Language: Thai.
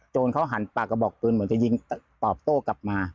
จนเขาหันปากกระบอกปืนเหมือนจะยิงตอบโต้กลับมา